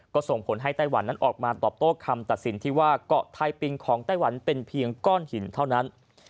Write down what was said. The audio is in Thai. ก็ส่งผลให้ไต้หวันนั้นออกมาตอบโต้คำตัดสินที่ว่าเกาะไทยปิงของไต้หวันเป็นเพียงก้อนหินเท่านั้น